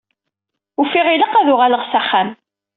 Ufiɣ ilaq ad uɣaleɣ s axxam.